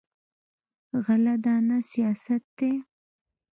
غله دانه سیاست دی.